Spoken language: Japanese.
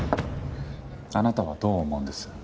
あなたはどう思うんです？